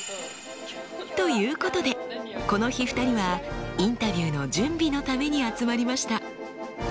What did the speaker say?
ということでこの日２人はインタビューの準備のために集まりました。